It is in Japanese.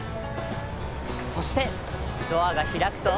そしてドアがひらくと。